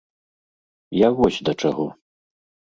Я вось да чаго.